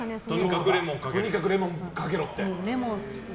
とにかくレモンかけろって。